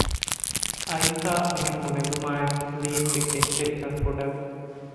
އައިކާ އެހެން ބުނެލުމާއެކު ލީންގެ ކެތްތެރިކަން ކުޑަވި